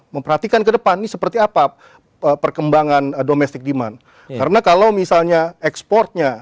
memperhatikan ke depani seperti apa perkembangan domestic demand karena kalau misalnya ekspor nya